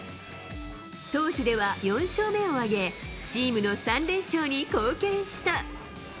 投手では４勝目を挙げ、チームの３連勝に貢献した。